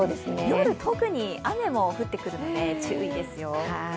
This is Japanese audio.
夜、特に雨も降ってくるので注意ですよ。